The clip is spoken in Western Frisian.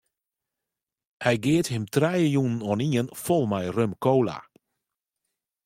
Hy geat him trije jûnen oanien fol mei rum-kola.